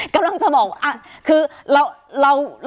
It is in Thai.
การแสดงความคิดเห็น